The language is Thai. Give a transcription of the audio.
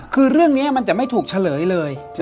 คือเรื่องนี้มันจะไม่ถูกเฉลยเลย